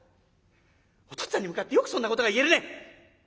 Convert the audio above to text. お父っつぁんに向かってよくそんなことが言えるね！